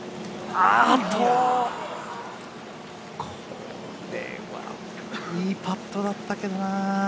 これはいいパットだったけどな。